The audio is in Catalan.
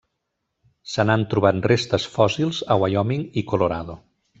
Se n'han trobat restes fòssils a Wyoming i Colorado.